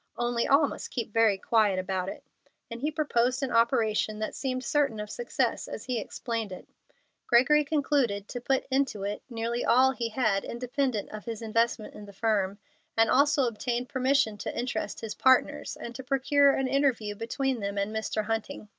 Only all must keep very quiet about it;" and he proposed an operation that seemed certain of success as he explained it. Gregory concluded to put into it nearly all he had independent of his investment in the firm, and also obtained permission to interest his partners, and to procure an interview between them and Mr. Hunting.